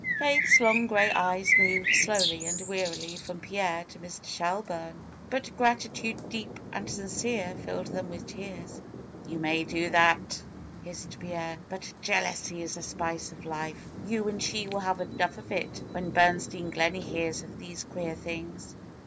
Faith's long gray eyes moved slowly and wearily from Pierre to Mr. Shelburne; but gratitude deep and sincere filled them with tears. ^^You may do that," hissed Pierre; ^^but jealousy is the spice of love. You and she will have enough of it when Bernstein Gleney hears of these queer doings."